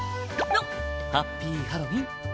ハッピーハロウィーン！